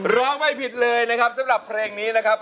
ร้องไม่ผิดเลยนะครับสำหรับเพลงนี้นะครับ